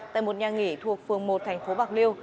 tại một nhà nghỉ thuộc phường một thành phố bạc liêu